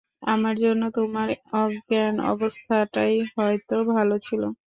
আমার জন্য তোমার অজ্ঞান অবস্থাটাই হয়তো ভালো ছিলো।